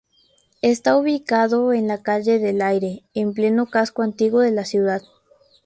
Está ubicado en la calle del Aire, en pleno casco antiguo de la ciudad.